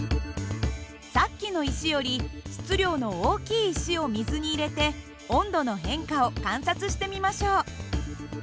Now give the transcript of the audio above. さっきの石より質量の大きい石を水に入れて温度の変化を観察してみましょう。